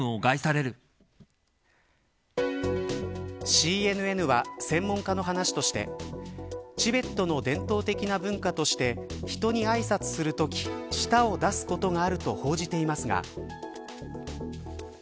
ＣＮＮは、専門家の話としてチベットの伝統的な文化として人にあいさつするとき舌を出すことがあると報じていますが。